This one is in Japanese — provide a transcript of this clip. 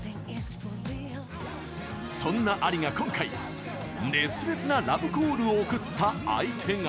そんなＡＬＩが今回熱烈なラブコールを送った相手が。